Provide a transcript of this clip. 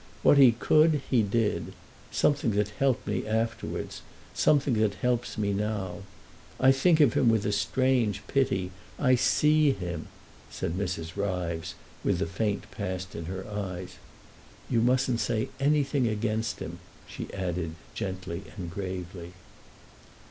What he could he did—something that helped me afterwards, something that helps me now. I think of him with a strange pity—I see him!" said Mrs. Ryves, with the faint past in her eyes. "You mustn't say anything against him," she added, gently and gravely.